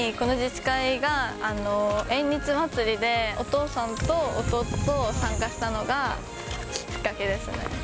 小学５年生のときに、この自治会が縁日祭りで、お父さんと弟と参加したのがきっかけですね。